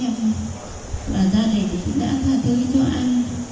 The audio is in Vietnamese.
em và gia đình đã tha thứ cho anh